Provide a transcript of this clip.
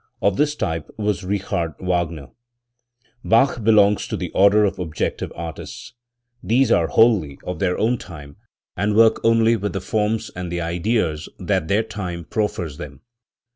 Of this type was Richard Wagner. Bach belongs to the order of objective artists. These are wholly of their own time, and work only with the forms and the ideas that their time proffers them.